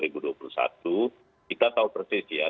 kita tahu persis ya